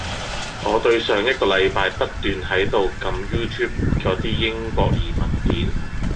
我對上一個禮拜不斷喺度撳 YouTube 嗰啲英國移民片